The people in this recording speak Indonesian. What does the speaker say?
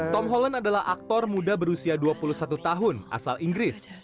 tom holland adalah aktor muda berusia dua puluh satu tahun asal inggris